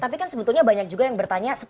tapi kan sebetulnya banyak juga yang bertanya